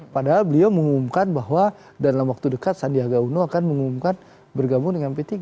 padahal beliau mengumumkan bahwa dalam waktu dekat sandiaga uno akan mengumumkan bergabung dengan p tiga